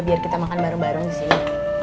biar kita makan bareng bareng disini